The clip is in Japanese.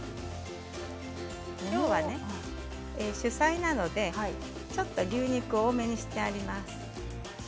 きょうは主菜なのでちょっと牛肉を多めにしてあります。